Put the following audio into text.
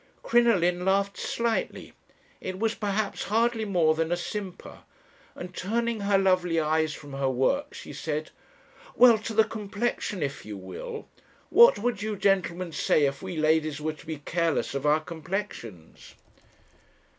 "Crinoline laughed slightly; it was perhaps hardly more than a simper, and turning her lovely eyes from her work, she said, 'Well, to the complexion, if you will. What would you gentlemen say if we ladies were to be careless of our complexions?'